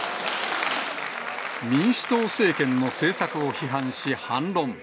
民主党政権の政策を批判し、反論。